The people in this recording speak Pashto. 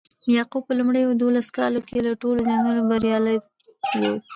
یعقوب په لومړیو دولسو کالو کې له ټولو جنګونو بریالی ووت.